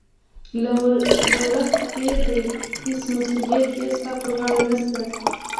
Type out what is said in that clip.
له ورخه تېرې دي، هېڅ مسؤلیت یې ستا پر غاړه نشته.